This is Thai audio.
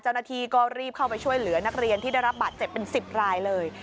เจ้าหน้าที่ก็รีบเข้าไปช่วยเหลือนักเรียนที่ได้รับบาดเจ็บเป็น๑๐รายเลย